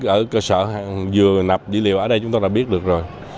ở cơ sở vừa nạp dữ liệu ở đây chúng tôi đã biết được rồi